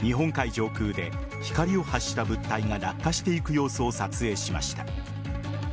上空で光を発した物体が落下していく様子を撮影しました。